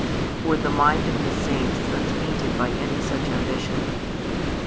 For the mind of the saints is untainted by any such ambition.